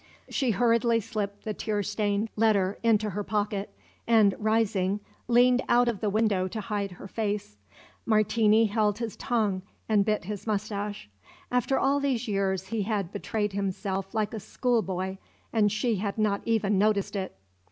She hurriedly slipped the tear stained letter into her pocket; and, rising, leaned out of the window to hide her face. Martini held his tongue and bit his moustache. After all these years he had betrayed himself like a schoolboy and she had not even noticed it!